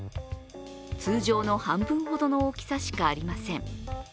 通常の半分ほどの大きさしかありません。